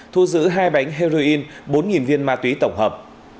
thu giữ hai bánh heroin bốn viên ma túy tổng hợp